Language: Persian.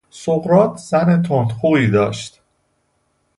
سقراط زن تندخویی داشت